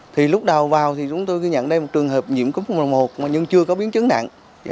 thì lúc đầu vào thì chúng tôi cứ nhận đây một trường hợp nhiễm cúm h một n một nhưng chưa có biến chứng nặng